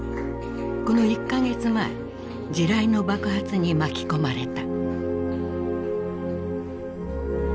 この１か月前地雷の爆発に巻き込まれた。